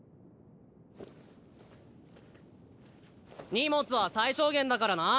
荷物は最小限だからな。